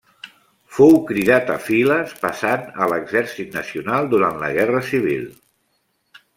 Fou cridat a files, passant a l'exèrcit nacional durant la Guerra Civil.